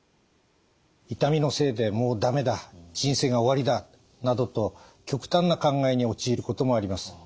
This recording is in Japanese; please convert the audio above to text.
「痛みのせいでもう駄目だ人生が終わりだ」などと極端な考えに陥ることもあります。